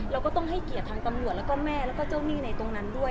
เราก็ต้องให้เกียรติทางตำรวจแล้วก็แม่แล้วก็เจ้าหนี้ในตรงนั้นด้วย